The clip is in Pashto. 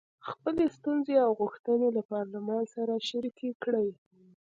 خپلې ستونزې او غوښتنې له پارلمان سره شریکې کړي.